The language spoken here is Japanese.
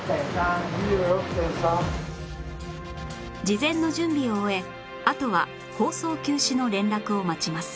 事前の準備を終えあとは放送休止の連絡を待ちます